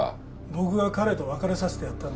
僕が彼と別れさせてやったんですから。